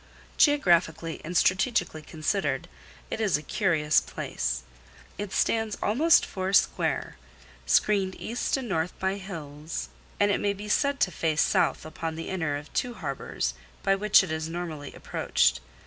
Geographically and strategically considered, it is a curious place. It stands almost four square, screened east and north by hills, and it may be said to face south upon the inner of two harbours by which it is normally approached.